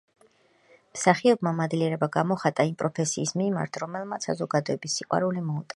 მსახიობმა მადლიერება გამოხატა იმ პროფესიის მიმართ, რომელმაც მას უზომო ემოცია, საზოგადოების სიყვარული მოუტანა.